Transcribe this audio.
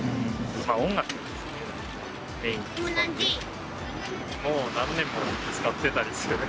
音楽ですね。